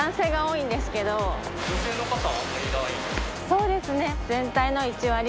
そうですね。